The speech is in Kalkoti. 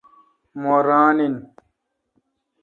مہ ران این۔